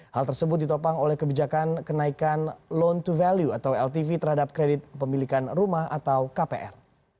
hal tersebut ditopang oleh kebijakan kenaikan loan to value atau ltv terhadap kredit pemilikan rumah atau kpr